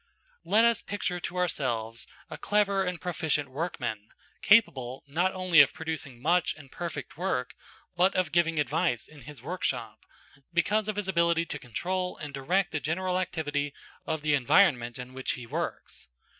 Let us picture to ourselves a clever and proficient workman, capable, not only of producing much and perfect work, but of giving advice in his workshop, because of his ability to control and direct the general activity of the environment in which he works.